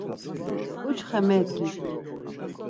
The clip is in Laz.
Ǩuçxe medgi.